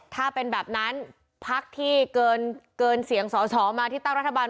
ถ้าเป็นแบบนั้นพักที่เกินเสียงสอสอมาที่ตั้งรัฐบาล